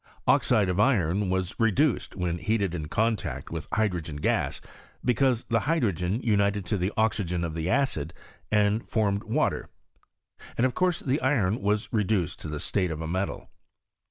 Oxide of iron was reduced when heated in contact with hydrogen gas, because the hydrogen united to tlie oxygen of the acid and formed water, and of course the iron was reduced to the state of a metal.